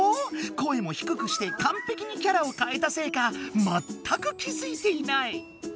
声もひくくしてかんぺきにキャラを変えたせいかまったく気付いていない。